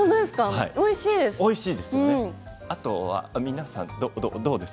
おいしいです。